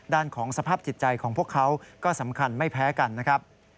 ด้านของสภาพจิตใจของพวกเขาก็สำคัญไม่แพ้กันนะครับ